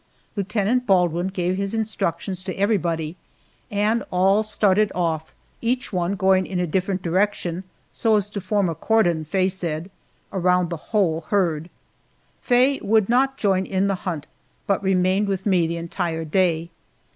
Lieutenant Baldwin gave his instructions to everybody, and all started off, each one going in a different direction so as to form a cordon, Faye said, around the whole herd. Faye would not join in the hunt, but remained with me the entire day.